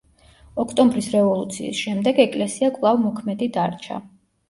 ოქტომბრის რევოლუციის შემდეგ ეკლესია კვლავ მოქმედი დარჩა.